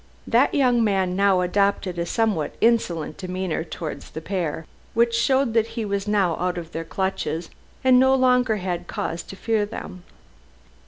That young man now adopted a somewhat insolent demeanor towards the pair, which showed that he was now out of their clutches and no longer had cause to fear them.